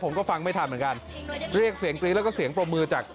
ผมก็ฟังไม่ทันเหมือนกันเรียกเสียงกรี๊ดแล้วก็เสียงปรบมือจาก